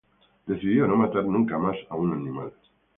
Decidió no matar nunca más a un animal.